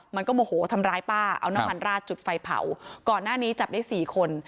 มันก็โมโหทำร้ายป้าเอาน้ำมันราดจุดไฟเผาก่อนหน้านี้จับได้สี่คน